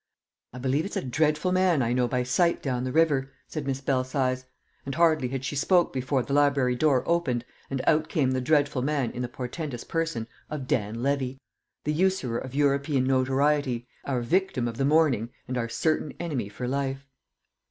"I believe it's a dreadful man I know by sight down the river," said Miss Belsize; and hardly had she spoke before the library door opened and out came the dreadful man in the portentous person of Dan Levy, the usurer of European notoriety, our victim of the morning and our certain enemy for life.